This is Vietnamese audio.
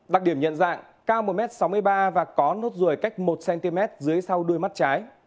đặc điểm nhận dạng cao một m sáu mươi ba và có nốt ruồi cách một cm dưới sau đuôi mắt trái